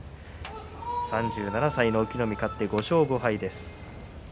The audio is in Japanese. ３７歳の隠岐の海、勝って５勝５敗です。